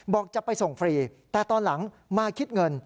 บอกจะไปส่งฟรีแต่ตอนหลังมาคิดเงิน